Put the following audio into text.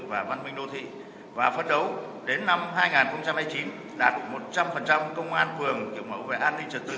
và văn minh đô thị và phấn đấu đến năm hai nghìn hai mươi chín đạt một trăm linh công an phường kiểu mẫu về an ninh trật tự